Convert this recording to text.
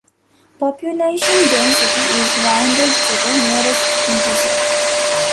Population density is rounded to the nearest integer.